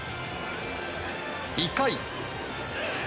１回。